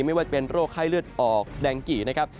ไม่ว่าจะเป็นโรคไข้เลือดออกแดงกี่นะครับ